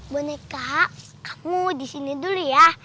boneka kamu di sini dulu ya